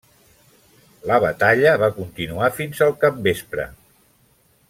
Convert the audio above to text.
La batalla va continuar fins al capvespre.